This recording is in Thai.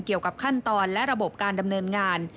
เกี่ยวกับขั้นตอนและระบบการดำเนินงาน